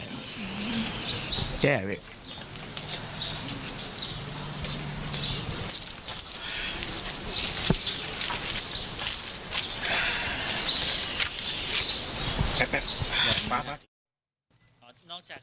แย่เลย